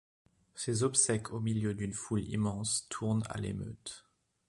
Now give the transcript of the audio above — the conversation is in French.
Ses obsèques au milieu d'une foule immense tournent à l'émeute.